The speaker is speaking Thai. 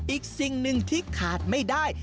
อีกสิ่งหนึ่งที่ขาดไม่ได้